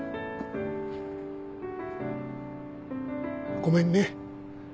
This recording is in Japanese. ごめんね。